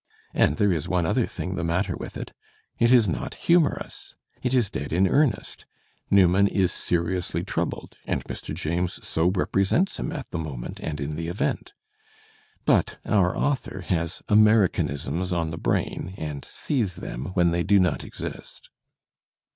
And there is one other thing the matter with it: it is not hiunorous. It is dead in earnest. Newman is seriously troubled, and Mr. James so represents him at the moment and in the event. But "our author" has "Americanisms" on the brain and sees them when they do not exist.